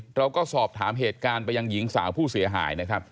เราก็สอบถามเหตุการณ์ไปยังหญิงสาวผู้เสียหายนะครับ